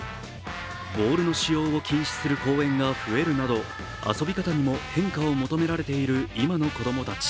ボールの使用を禁止する公園が増えるなど遊び方にも変化を求められている今の子供たち。